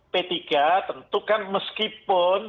p tiga tentukan meskipun